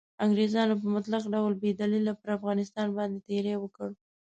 انګریزانو په مطلق ډول بې دلیله پر افغانستان باندې تیری وکړ.